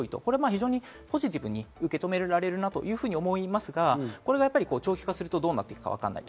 非常にポジティブに受け止められるなっていうふうに思いますが、これが長期化するとどうなっていくわからない。